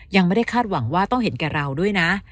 ยังไม่ได้คาดหวังว่าต้องเห็นแก่เราด้วยนะ